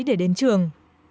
để đến trường